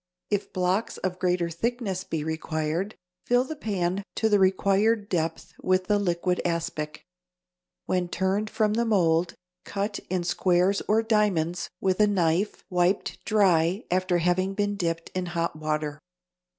If blocks of greater thickness be required, fill the pan to the required depth with the liquid aspic. When turned from the mould, cut in squares or diamonds with a knife, wiped dry after having been dipped in hot water.